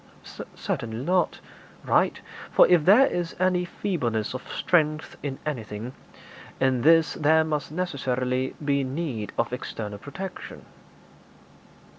'Certainly not.' 'Right; for if there is any feebleness of strength in anything, in this there must necessarily be need of external protection.'